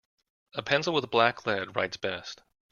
A pencil with black lead writes best.